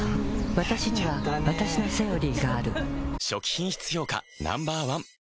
わたしにはわたしの「セオリー」がある初期品質評価Ｎｏ．１